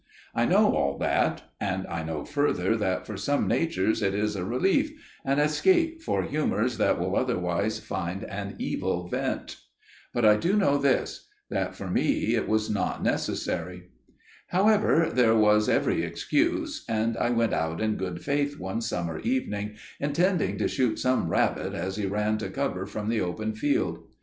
I know all that, and I know further that for some natures it is a relief––an escape for humours that will otherwise find an evil vent. But I do know this––that for me it was not necessary. "However, there was every excuse, and I went out in good faith one summer evening intending to shoot some rabbit as he ran to cover from the open field.